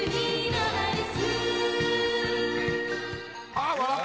あっ！